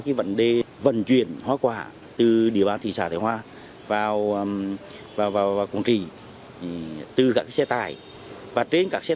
cái vấn đề vận chuyển hóa quả từ địa ban thị xã thái hoa vào công trị từ các xe tải và trên các xe